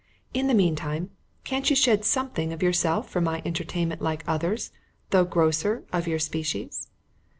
In the meantime can't you shed something of yourself for my entertainment like others, though grosser, of your species?"